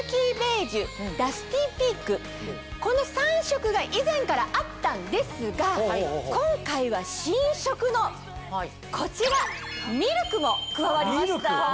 この３色が以前からあったんですが今回は新色のこちらミルクも加わりました。